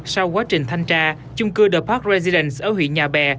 sau quá trình thanh tra chung cư the park rezillance ở huyện nhà bè